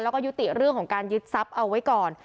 แล้วก็ยุติเรื่องของการยึดทรัพย์เอาไว้ก่อน